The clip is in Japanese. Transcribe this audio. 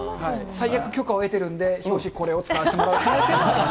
最悪、許可を得てるんで、表紙、これを使わせてもらう可能性も。